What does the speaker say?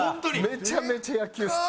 めちゃめちゃ野球好き。